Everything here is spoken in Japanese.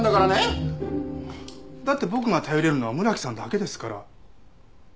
だって僕が頼れるのは村木さんだけですから。